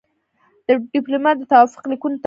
ډيپلومات د توافق لیکونه ترتیبوي.